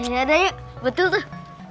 ya dayu betul tuh